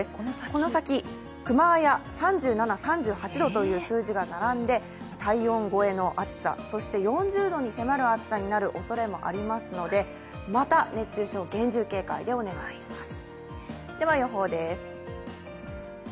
この先、熊谷３７、３８度という数字が並んで、体温超えの暑さ、そして４０度に迫る暑さになるおそれがありますので、また熱中症厳重警戒でお願いします。